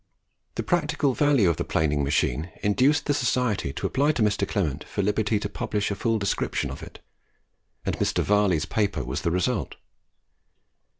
The practical value of the Planing Machine induced the Society to apply to Mr. Clement for liberty to publish a full description of it; and Mr. Varley's paper was the result.